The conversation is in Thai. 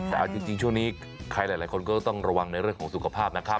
แต่เอาจริงช่วงนี้ใครหลายคนก็ต้องระวังในเรื่องของสุขภาพนะครับ